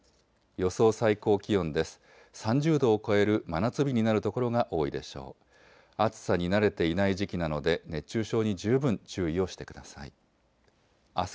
予想最高気温です。